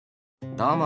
どうも！